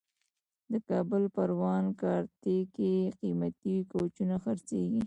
د کابل پروان کارته کې قیمتي کوچونه خرڅېږي.